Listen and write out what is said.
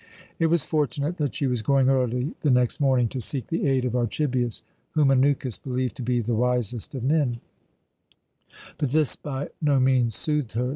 It was fortunate that she was going early the next morning to seek the aid of Archibius, whom Anukis believed to be the wisest of men; but this by no means soothed her.